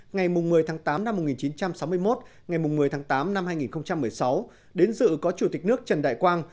ngày một mươi tháng tám năm một nghìn chín trăm sáu mươi một ngày một mươi tháng tám năm hai nghìn một mươi sáu đến dự có chủ tịch nước trần đại quang